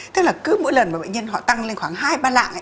thế là cứ mỗi lần bệnh nhân họ tăng lên khoảng hai ba lạng